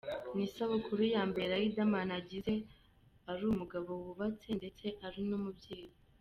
Ni isabukuru ya mbere Riderman agize ari umugabo wubatse, ndetse ari n'umubyeyi.